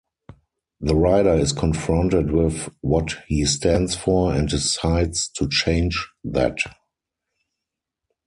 The rider is confronted with what he stands for and decides to change that.